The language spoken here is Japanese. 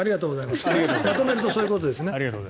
まとめるとそういうことですね。